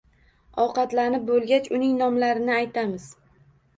Ovqatlanib bo‘lgach, uning nomlarini aytamiz.